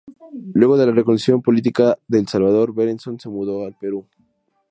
Luego de la reconciliación política de El Salvador, Berenson se mudó al Perú.